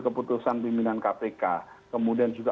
keputusan pimpinan kpk kemudian juga